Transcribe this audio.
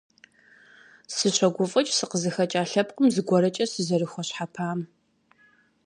Сыщогуфӏыкӏ сыкъызыхэкӏа лъэпкъым зыгуэркӏэ сызэрыхуэщхьэпам.